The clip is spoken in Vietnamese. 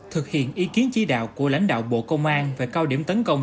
thực hiện ý kiến chỉ đạo của lãnh đạo bộ công an về cao điểm tấn công